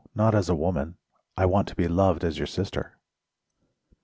Not as woman, I want to be loved as your sister."